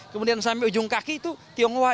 kemudian sampai ujung kaki itu tionghoa